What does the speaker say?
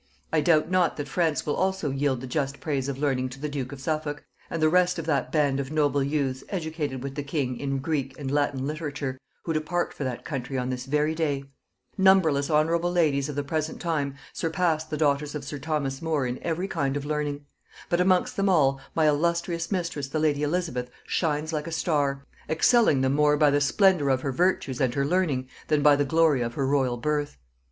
I doubt not that France will also yield the just praise of learning to the duke of Suffolk and the rest of that band of noble youths educated with the king in Greek and Latin literature, who depart for that country on this very day. [Note 12: This was the second duke of the name of Brandon, who died young of the sweating sickness.] "Numberless honorable ladies of the present time surpass the daughters of sir Thomas More in every kind of learning. But amongst them all, my illustrious mistress the lady Elizabeth shines like a star, excelling them more by the splendor of her virtues and her learning, than by the glory of her royal birth.